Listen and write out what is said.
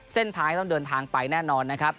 เส้นท้ายต้องเดินทางไปแน่นอนนะครับ